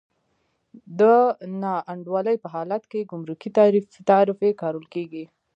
د نا انډولۍ په حالت کې ګمرکي تعرفې کارول کېږي.